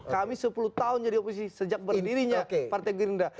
kami sepuluh tahun jadi oposisi sejak berdirinya partai gerindra